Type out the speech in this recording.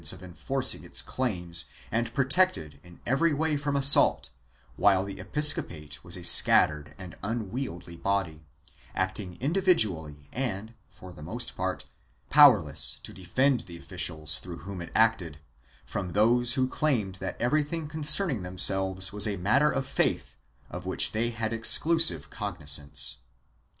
II] ASSERTION OF SUPERIORITY 359 of enforcing its claims and protected in every way from assault, while the episcopate was a scattered and unwieldy body, acting individually and, for the most part, powerless to defend the officials, through whom it acted, from those who claimed that everything concerning themselves was a matter of faith of which they had exclusive cognizance.